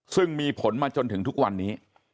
ซึ่งมีผลมาจนถึงทุกวันนี้